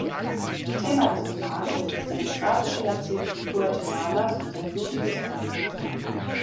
Thema des Romans ist das demokratische Jahrzehnt Guatemalas und sein blutiges Ende.